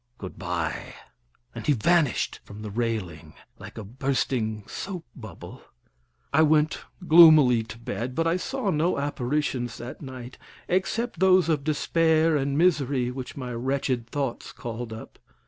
Good by." And he vanished from the railing like a bursting soap bubble. I went gloomily to bed, but I saw no apparitions that night except those of despair and misery which my wretched thoughts called up.